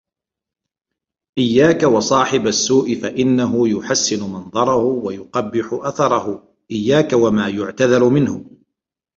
إياك وصاحب السوء فإنه يحسن منظره ويقبح أثره إياك وما يعتذر منه